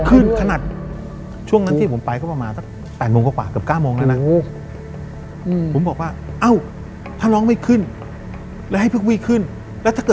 ไม่ขึ้นขนาดช่วงนั้นที่ผมไปก็ประมาณสัก๘โมงกว่าเกือบ๙โมงแล้วนะ